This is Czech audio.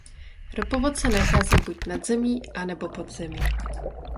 Ropovod se nachází buď nad zemí a nebo pod zemí.